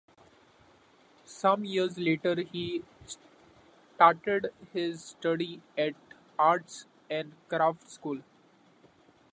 Some years later he started his studies at Arts and Crafts School.